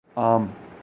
عام